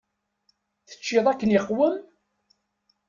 Teččiḍ akken iqwem?